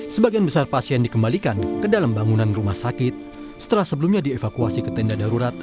sebagian besar pasien dikembalikan ke dalam bangunan rumah sakit setelah sebelumnya dievakuasi ke tenda darurat